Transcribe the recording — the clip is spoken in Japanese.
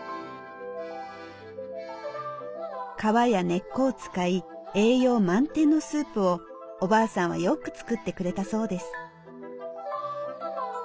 皮や根っこを使い栄養満点のスープをおばあさんはよく作ってくれたそうです。